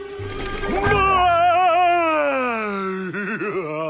・ほら！